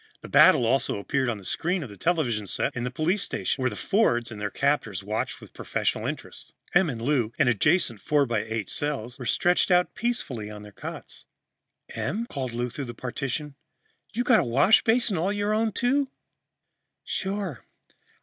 The battle also appeared on the screen of the television set in the police station, where the Fords and their captors watched with professional interest. Em and Lou, in adjacent four by eight cells, were stretched out peacefully on their cots. "Em," called Lou through the partition, "you got a washbasin all your own, too?" "Sure.